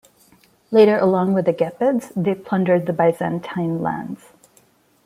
Later along with the Gepids they plundered the Byzantine lands.